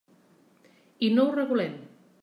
I no ho regulem.